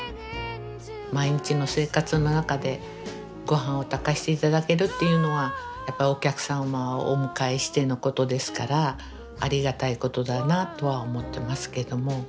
毎日の生活の中でごはんを炊かして頂けるっていうのはやっぱりお客様をお迎えしてのことですからありがたいことだなとは思ってますけども。